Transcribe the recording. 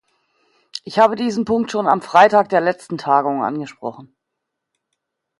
Ich habe diesen Punkt schon am Freitag der letzten Tagung angesprochen.